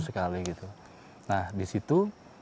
sekali gitu nah disitu